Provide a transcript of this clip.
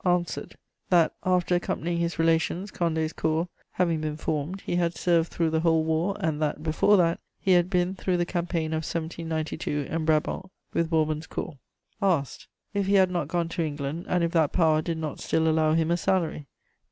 Answered: That, after accompanying his relations, Condé's Corps having been formed, he had served through the whole war, and that, before that, he had been through the campaign of 1792, in Brabant, with Bourbon's Corps. Asked: If he had not gone to England, and if that Power did not still allow him a salary?